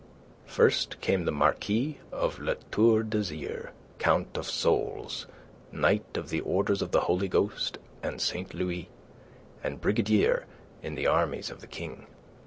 First came the Marquis of La Tour d'Azyr, Count of Solz, Knight of the Orders of the Holy Ghost and Saint Louis, and Brigadier in the armies of the King.